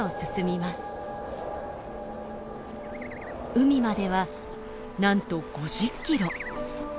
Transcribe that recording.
海まではなんと５０キロ。